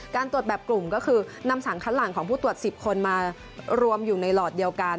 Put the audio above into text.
การตรวจแบบกลุ่มก็คือนำสารคัดหลังของผู้ตรวจ๑๐คนมารวมอยู่ในหลอดเดียวกัน